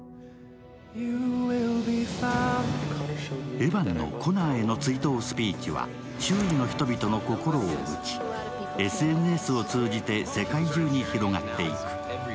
エヴァンのコナーへの追悼スピーチは周囲の人々の心を打ち、ＳＮＳを通じて世界中に広がっていく。